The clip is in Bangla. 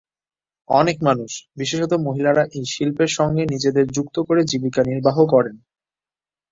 অনেক মানুষ, বিশেষত মহিলারা এই শিল্পের সঙ্গে নিজেদের যুক্ত করে জীবিকা নির্বাহ করেন।